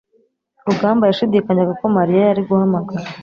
Rugamba yashidikanyaga ko Mariya yari guhamagara.